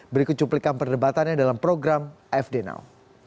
berikut cuplikan perdebatannya dalam program fd now